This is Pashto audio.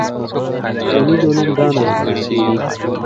ټولنیز علوم دا نظمونه څېړي.